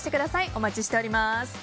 お待ちしております。